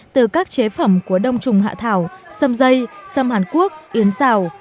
từ các chế phẩm của đông trùng hạ thảo sâm dây sâm hàn quốc yến sào